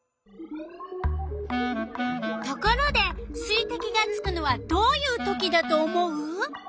ところで水てきがつくのはどういうときだと思う？